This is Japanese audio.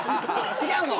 違うの？